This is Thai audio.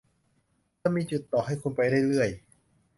จะมีจุดต่อให้คุณไปได้เรื่อย